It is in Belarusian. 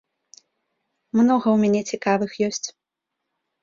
Многа ў мяне цікавых ёсць.